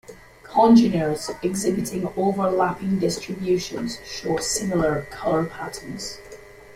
Congeners exhibiting overlapping distributions show similar color patterns.